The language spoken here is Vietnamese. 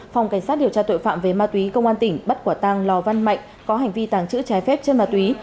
phòng cảnh sát điều tra tội phạm về ma túy công an tỉnh bắt quả tàng lò văn mạnh có hành vi tàng trữ trái phép chân mà túy